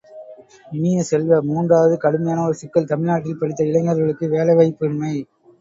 இனிய செல்வ, மூன்றாவது, கடுமையான ஒரு சிக்கல் தமிழ்நாட்டில் படித்த இளைஞர்களுக்கு வேலை வாய்ப்பு இன்மை.